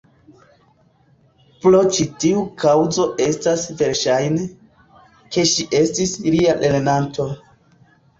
Pro ĉi tiu kaŭzo estas verŝajne, ke ŝi estis lia lernanto.